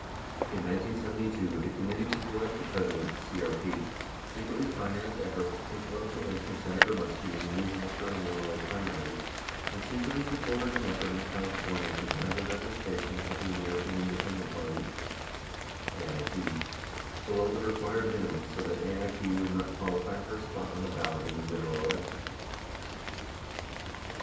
In 1972, the Committee To Re Elect the President (CRP) secretly financed efforts to take votes away from Senator Muskie in the New Hampshire and Illinois primaries, and secretly supported an effort in California to drive the registration of the American Independent Party (AIP) below the required minimum so that AIP would not qualify for a spot on the ballot in the general election.